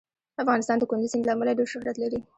افغانستان د کندز سیند له امله ډېر شهرت لري.